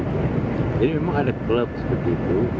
jadi memang ada klub seperti itu